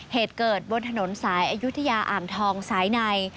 เหตุเกิดบนถนนสายอายุทยาอ่างทองสายใน